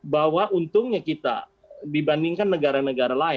bahwa untungnya kita dibandingkan negara negara lain